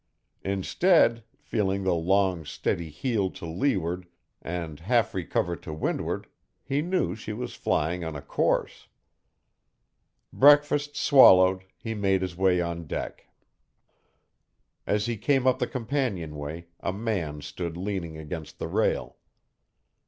Instead, feeling the long, steady heel to leeward and half recover to windward, he knew she was flying on a course. Breakfast swallowed, he made his way on deck. As he came up the companionway a man stood leaning against the rail.